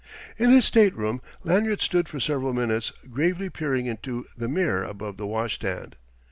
In his stateroom Lanyard stood for several minutes gravely peering into the mirror above the washstand.